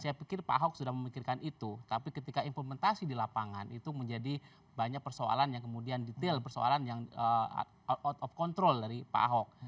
saya pikir pak ahok sudah memikirkan itu tapi ketika implementasi di lapangan itu menjadi banyak persoalan yang kemudian detail persoalan yang out of control dari pak ahok